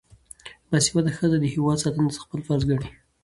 باسواده ښځې د هیواد ساتنه خپل فرض ګڼي.